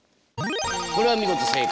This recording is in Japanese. これは見事正解。